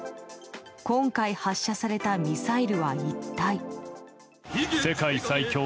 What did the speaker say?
今回、発射されたミサイルは一体。